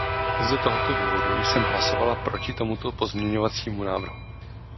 Z tohoto důvodu jsem hlasovala proti tomuto pozměňovacímu návrhu.